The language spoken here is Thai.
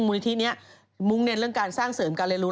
มูลนิธินี้มุ่งเน้นเรื่องการสร้างเสริมการเรียนรู้